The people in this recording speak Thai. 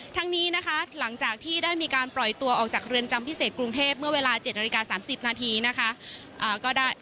ทั้งนี้นะคะหลังจากที่ได้มีการปล่อยตัวออกจากเรือนจำพิเศษกรุงเทพเมื่อเวลา๗นาฬิกา๓๐นาทีนะคะ